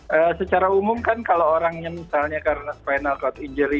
jadi secara umum kan kalau orang yang misalnya karena spinal cord injury